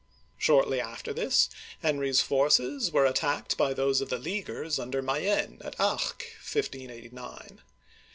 Shortly after this, Henry's forces were attacked by those of the Leaguers under Mayenne, at Arques (ark, 1589).